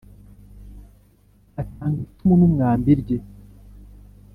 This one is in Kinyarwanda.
atanga icumu numwambi rye